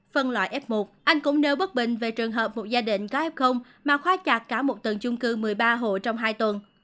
phân loại f một anh cũng nêu bất bình về trường hợp một gia đình có f mà khoa chặt cả một tầng chung cư một mươi ba hộ trong hai tuần